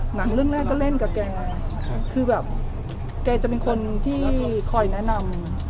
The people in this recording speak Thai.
หนังเรื่องแรกก็เล่นกับแกคือแบบแกจะเป็นคนที่คอยแนะนำ